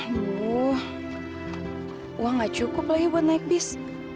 ibu uang nggak cukup lagi buat naik bis